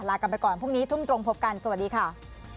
ลากันไปก่อนพรุ่งนี้ทุ่มตรงพบกันสวัสดีค่ะ